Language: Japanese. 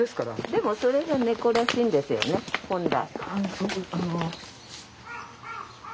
でもそれが猫らしいんですよね本来。